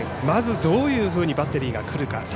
まず、どういうふうにバッテリーがくるか。